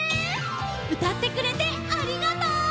うたってくれてありがとう！